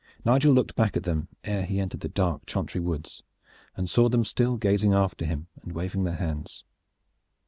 Nigel looked back at them ere he entered the dark Chantry woods, and saw them still gazing after him and waving their hands.